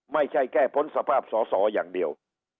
ไม่ใช่แค่พ้นสภาพสอสออย่างเดียว